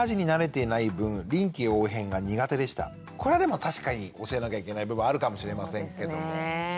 これでも確かに教えなきゃいけない部分あるかもしれませんけども。